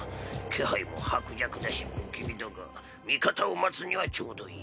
気配も薄弱だし不気味だが味方を待つにはちょうどいい。